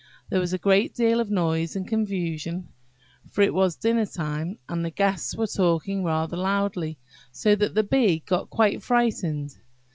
There was a great deal of noise and confusion, for it was dinner time, and the guests were talking rather loudly, so that the Bee got quite frightened.